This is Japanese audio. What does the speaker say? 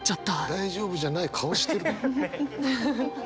大丈夫じゃない顔してるもん。